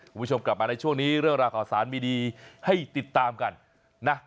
คุณผู้ชมกลับมาในช่วงนี้เรื่องราวข่าวสารมีดีให้ติดตามกันนะ